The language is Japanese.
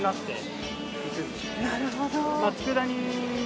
なるほど。